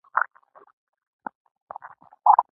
ویې ویل: ګرانه ده.